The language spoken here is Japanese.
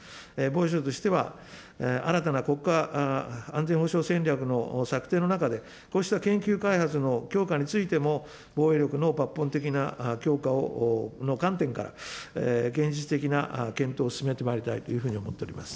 防衛省としては、新たな国家安全保障戦略の策定の中で、こうした研究開発の強化についても、防衛力の抜本的な強化の観点から現実的な検討を進めてまいりたい